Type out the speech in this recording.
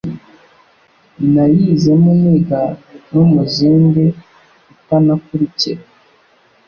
nayizemo niga no muzindi itanakurikira